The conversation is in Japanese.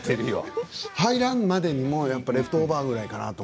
入らんまでにもレフトオーバーぐらいまでかなと。